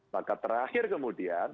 maka terakhir kemudian